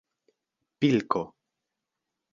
pilko